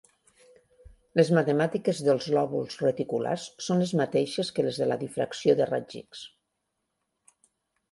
Les matemàtiques dels lòbuls reticulats són les mateixes que les de la difracció de raigs X.